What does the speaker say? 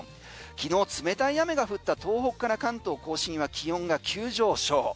昨日、冷たい雨が降った東北から関東・甲信は気温が急上昇。